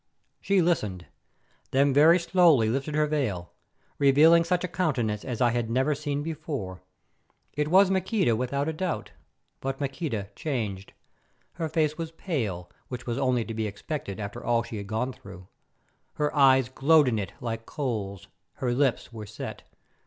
She listened, then very slowly lifted her veil, revealing such a countenance as I had never seen before. It was Maqueda without a doubt, but Maqueda changed. Her face was pale, which was only to be expected after all she had gone through; her eyes glowed in it like coals, her lips were set.